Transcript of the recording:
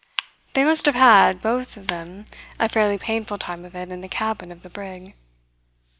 They must have had, both of them, a fairly painful time of it in the cabin of the brig.